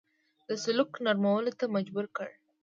د سلوک نرمولو ته مجبور کړ.